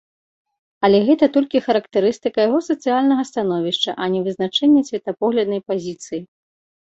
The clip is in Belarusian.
Але гэта толькі характарыстыка яго сацыяльнага становішча, а не вызначэнне светапогляднай пазіцыі.